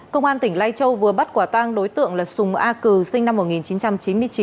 công an tỉnh lai châu vừa bắt quả tang đối tượng là sùng a cừ sinh năm một nghìn chín trăm chín mươi chín